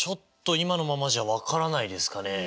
今のままじゃ分からないですかね。